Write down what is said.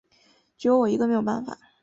只有我一个没有办法